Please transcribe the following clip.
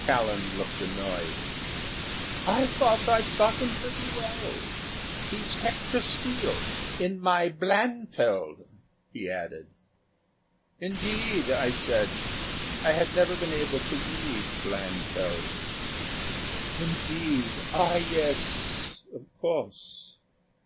Callan looked annoyed. "I thought I'd got him pretty well. He's Hector Steele. In my 'Blanfield,'" he added. "Indeed!" I said. I had never been able to read "Blanfield." "Indeed, ah, yes of course."